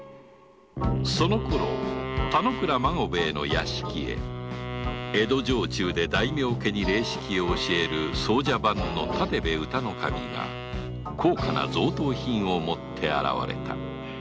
そのころ田之倉孫兵衛の屋敷へ城中で大名家に礼式を教える奏者番の建部雅楽頭が高価な贈答品を持って現れた